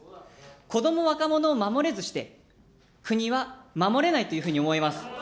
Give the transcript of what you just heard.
子ども、若者を守れずして、国は守れないっていうふうに思います。